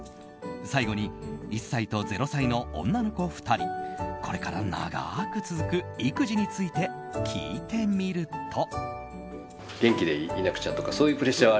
最後に１歳と０歳の女の子２人これから長く続く育児について聞いてみると。